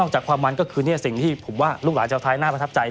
นอกจากความมันก็คือสิ่งที่ลูกหลานเจ้าไทยน่าประทับใจ